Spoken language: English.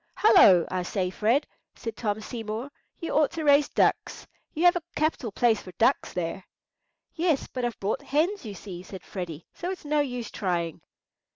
"Hallo! I say, Fred," said Tom Seymour, "you ought to raise ducks; you've got a capital place for ducks there." "Yes; but I've bought hens, you see," said Freddy; "so it's no use trying."